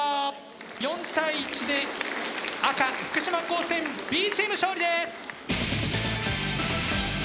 ４対１で赤福島高専Ｂチーム勝利です！